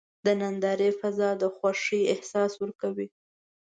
د نندارې فضا د خوښۍ احساس ورکوي.